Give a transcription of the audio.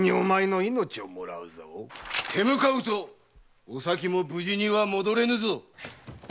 手向かうとお咲も無事には戻れぬぞ！